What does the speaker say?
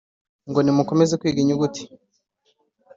Ngo: "Nimukomeze kwiga inyuguti,